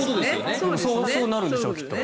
そうなるんでしょう、きっと。